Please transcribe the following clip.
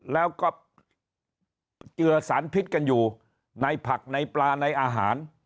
แล้วก็เจือสารพิษกันอยู่ในผักในปลาในอาหาร